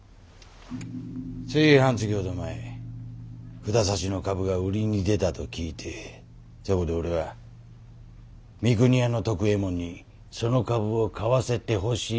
つい半月ほど前札差の株が売りに出たと聞いてそこで俺は三国屋の徳右衛門にその株を買わせてほしいと申し入れたんや。